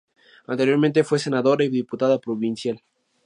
Anteriormente fue Senadora y Diputada Provincial.